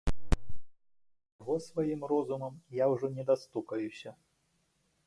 Да яго сваім розумам я ўжо не дастукаюся.